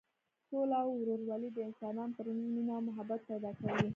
سوله او ورورولي د انسانانو تر منځ مینه او محبت پیدا کوي.